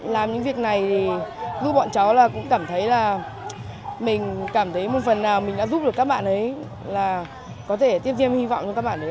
làm những việc này thì giúp bọn cháu là cũng cảm thấy là mình cảm thấy một phần nào mình đã giúp được các bạn ấy là có thể tiếp thêm hy vọng cho các bạn ấy